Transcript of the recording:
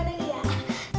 udah dapet bok